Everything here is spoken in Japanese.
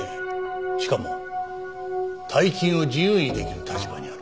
しかも大金を自由に出来る立場にある。